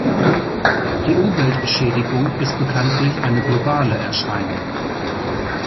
Die Umweltschädigung ist bekanntlich eine globale Erscheinung.